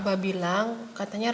mak itu tukang angkutat yang v